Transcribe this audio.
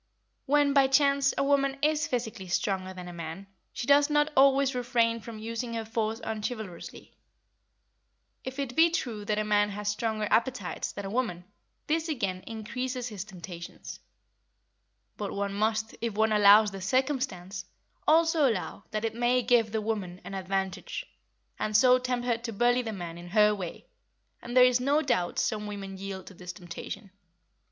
When, by chance, a woman is physically stronger than a man, she does not always refrain from using her force unchivalrously. If it be true that a man has stronger appetites than a woman, this again increases his temptations; but one must, if one allows this circumstance, also allow that it may give the woman an advantage, and so tempt her to bully the man in her way, and there is no doubt some women yield to this temptation.